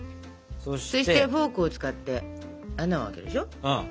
そしてフォークを使って穴を開けるでしょ？